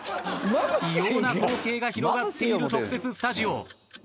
異様な光景が広がっている特設スタジオ。